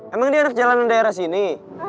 emang dia harus jalanan daerah sini